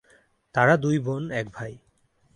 তাঁরা দুই বোন এক ভাই।